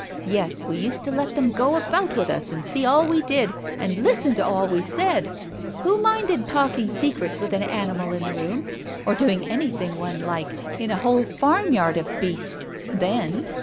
Yes, we used to let them go about with us, and see all we did, and listen to all we said ! Who minded talking secrets with an animal in the room, or doing anything one liked in a Digitized by Google THE WITNESS 205 whole farmyard of beasts— then